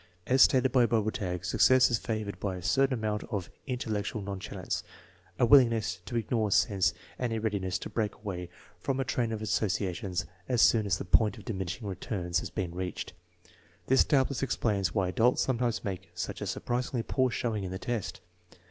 As stated by Bobertag, success is favored by a certain amount of " in tellectual nonchalance," a willingness to ignore sense and a readiness to break away from a train of associations as soon as the " point of diminishing returns " has been reached. This doubtless explains why adults sometimes make such a surprisingly poor showing in the test.